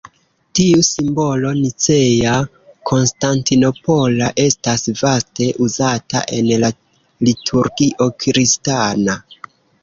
Tiu simbolo nicea-konstantinopola estas vaste uzata en la liturgio kristana.